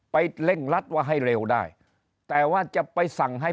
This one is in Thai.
เร่งรัดว่าให้เร็วได้แต่ว่าจะไปสั่งให้